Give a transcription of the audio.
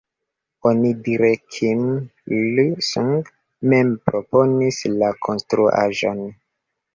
Onidire Kim Il-sung mem proponis la konstruaĵon.